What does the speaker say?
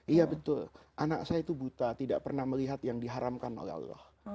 iya betul anak saya itu buta tidak pernah melihat yang diharamkan oleh allah